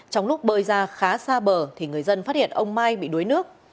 trong lúc bơi ra khá xa bờ thì người dân phát hiện ông mai bị đuối nước